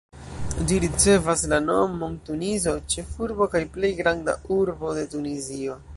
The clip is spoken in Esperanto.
Ĝi ricevas la nomon Tunizo, ĉefurbo kaj plej granda urbo de Tunizio.